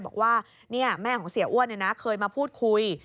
บอกว่าเนี่ยแม่ของเสียอ้วนเนี่ยนะเคยมาพูดคุย